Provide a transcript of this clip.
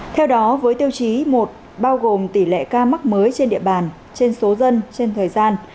theo đó với tiêu chí một bao gồm tỷ lệ ca mắc mới trên địa bàn trên số dân trên thời gian